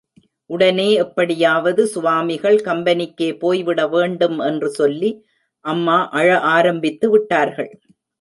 உடனே எப்படியாவது சுவாமிகள் கம்பெனிக்கே போய்விட வேண்டும் என்று சொல்லி, அம்மா அழ ஆரம்பித்து விட்டார்கள்.